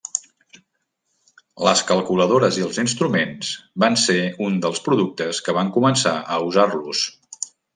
Les calculadores i els instruments van ser uns dels productes que van començar a usar-los.